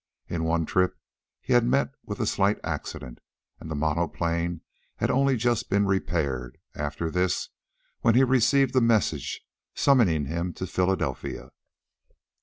In one trip he had met with a slight accident, and the monoplane had only just been repaired after this when he received the message summoning him to Philadelphia.